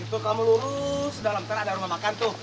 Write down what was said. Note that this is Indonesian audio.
itu kamu lurus dalam tanah ada rumah makan tuh